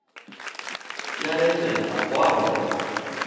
你按呢做有淡薄仔袂和